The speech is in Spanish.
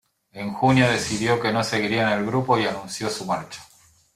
En junio decidió que no seguiría en el grupo y anunció su marcha.